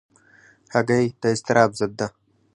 هګۍ د اضطراب ضد ده.